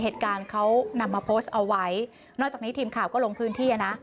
เหตุการณ์เขานำมาโพสต์เอาไว้นอกจากนี้ทีมข่าวก็ลงพื้นที่อ่ะนะ